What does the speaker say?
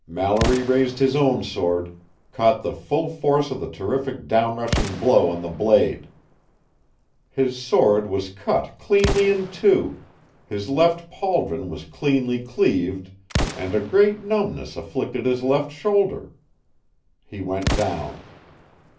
Mallory raised his own sword, caught the full force of the terrific down rushing blow on the blade. His sword was cut cleanly in two, his left pauldron was cleanly cleaved, and a great numbness afflicted his left shoulder. He went down.